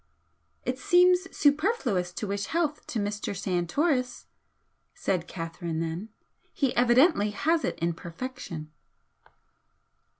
"It seems superfluous to wish health to Mr. Santoris," said Catherine then "He evidently has it in perfection."